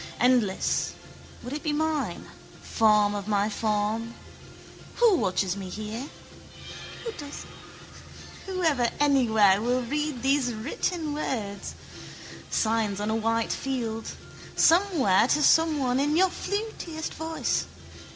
Endless, would it be mine, form of my form? Who watches me here? Who ever anywhere will read these written words? Signs on a white field. Somewhere to someone in your flutiest voice.